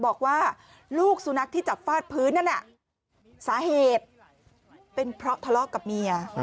บอกว่าลูกสุนัขที่จับฟาดพื้นนั่นน่ะสาเหตุเป็นเพราะทะเลาะกับเมีย